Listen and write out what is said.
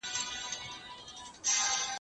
په هر کور کي د طوطي کیسه توده وه